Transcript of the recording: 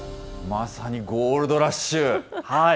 まさにゴールドラッシュ。